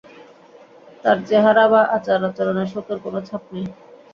তার চেহারায় বা আচার-আচরণে শোকের কোনো ছাপ নেই।